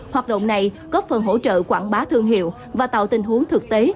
hoạt động này góp phần hỗ trợ quảng bá thương hiệu và tạo tình huống thực tế